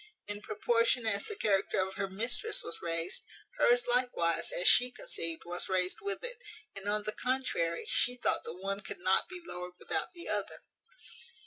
In proportion as the character of her mistress was raised, hers likewise, as she conceived, was raised with it; and, on the contrary, she thought the one could not be lowered without the other.